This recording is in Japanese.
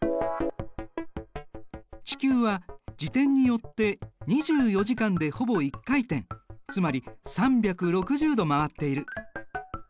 地球は自転によって２４時間でほぼ１回転つまり３６０度回っている。